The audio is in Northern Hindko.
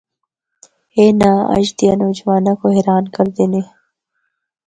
اے ناں اجّ دیاں نوجواناں کو حیران کرّدے نے۔